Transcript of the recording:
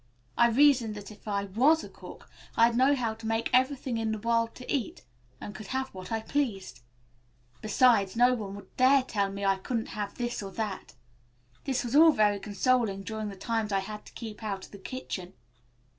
I reasoned that if I was a cook I'd know how to make everything in the world to eat and could have what I pleased. Besides no one would dare tell me I couldn't have this or that. This was all very consoling during the times I had to keep out of the kitchen.